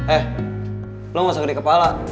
eh lo gak usah gede kepala